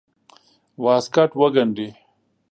واسکټ وګنډي.